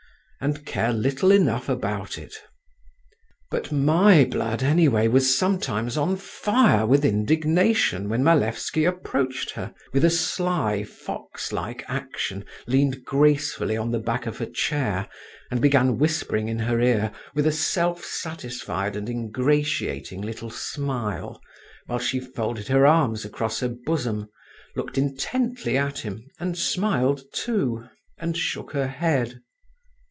and care little enough about it. But my blood, anyway, was sometimes on fire with indignation when Malevsky approached her, with a sly, fox like action, leaned gracefully on the back of her chair, and began whispering in her ear with a self satisfied and ingratiating little smile, while she folded her arms across her bosom, looked intently at him and smiled too, and shook her head.